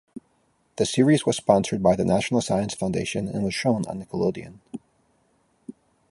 The series was sponsored by the National Science Foundation and was shown on Nickelodeon.